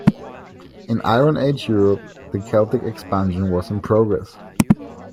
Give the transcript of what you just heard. In Iron Age Europe, the Celtic expansion was in progress.